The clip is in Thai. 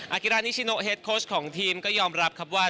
กิรานิชิโนเฮดโค้ชของทีมก็ยอมรับครับว่า